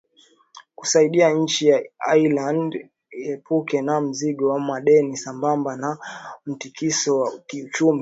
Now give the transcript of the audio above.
kusaidia nchi ya ireland iepuke na mzigo wa madeni sambamba na mtikisiko wa kiuchumi